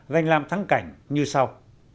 danh làm thắng cảnh như sau